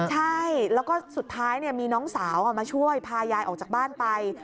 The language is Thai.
ใช่แล้วก็สุดท้ายมีน้องสาวมาช่วยพายายออกจากบ้านไป